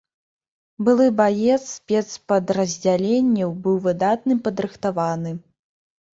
Былы баец спецпадраздзялення, быў выдатна падрыхтаваны.